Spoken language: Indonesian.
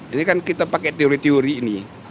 ini kan kita pakai teori teori ini